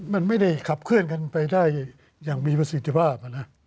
มันไม่ได้ขับเคลื่อนกันไปได้อย่างมีประสิทธิภาพ